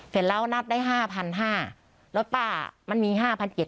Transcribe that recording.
เสร็จแล้วนัดได้ห้าพันห้าแล้วป้ามันมีห้าพันเจ็ด